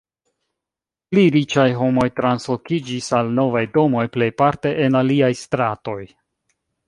Pli riĉaj homoj translokiĝis al novaj domoj, plejparte en aliaj stratoj.